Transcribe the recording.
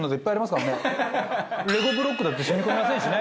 レゴブロックだって染み込みませんしね。